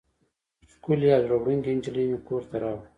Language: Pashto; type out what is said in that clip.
ښکلې او زړه وړونکې نجلۍ مې کور ته راوړه.